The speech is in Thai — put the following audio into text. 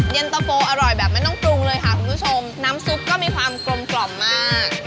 เย็นตะโฟอร่อยแบบไม่ต้องปรุงเลยค่ะคุณผู้ชมน้ำซุปก็มีความกลมกล่อมมาก